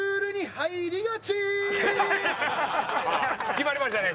決まりましたね